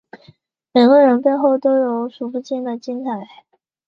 每个人背后都有数不清的精彩